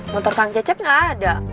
motor kang cecep nggak ada